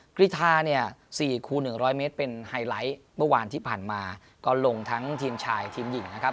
กรีธาเนี่ย๔คูณ๑๐๐เมตรเป็นไฮไลท์เมื่อวานที่ผ่านมาก็ลงทั้งทีมชายทีมหญิงนะครับ